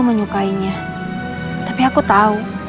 menyukainya tapi aku tahu kata kata serupa itu